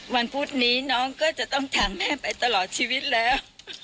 วันพุธนี้น้องก็จะต้องถามแม่ไปตลอดชีวิตนะครับ